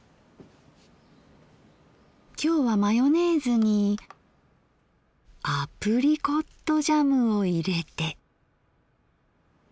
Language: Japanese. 今日はマヨネーズにアプリコットジャムを入れて。